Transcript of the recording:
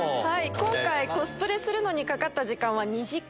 今回コスプレにかかった時間は２時間。